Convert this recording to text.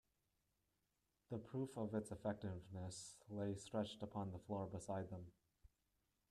The proof of its effectiveness lay stretched upon the floor beside them.